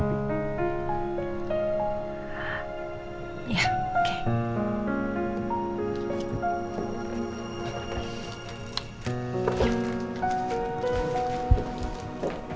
kayaknya kita masih ada waktu untuk kopi